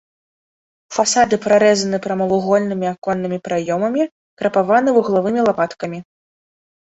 Фасады прарэзаны прамавугольнымі аконнымі праёмамі, крапаваны вуглавымі лапаткамі.